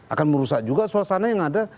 akan merusak juga suasana yang ada